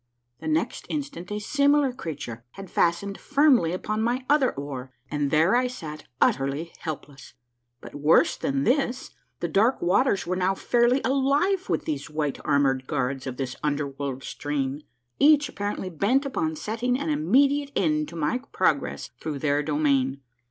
The next instant a similar creature had fastened firmly upon my other oar, and there I sat utterly helpless. But worse than this, the dark waters were now fairly alive with these white armored guards of this underworld stream, each apparently bent upon setting an immediate end to my progress through their domain.